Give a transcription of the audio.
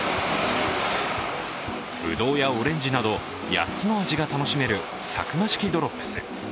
ぶどうやオレンジなど、８つの味が楽しめるサクマ式ドロップス。